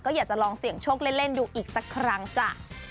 อยากจะลองเสี่ยงโชคเล่นดูอีกสักครั้งจ้ะ